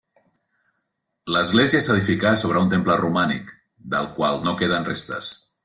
L'església s'edificà sobre un temple romànic del qual no queden restes.